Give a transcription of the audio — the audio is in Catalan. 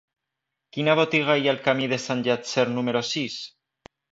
Quina botiga hi ha al camí de Sant Llàtzer número sis?